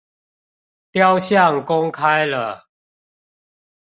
雕像公開了